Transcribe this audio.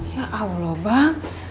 ya allah bang